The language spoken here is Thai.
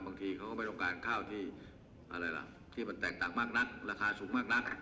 เขาก็ไม่ต้องการข้าวที่อะไรล่ะที่มันแตกต่างมากนักราคาสูงมากนัก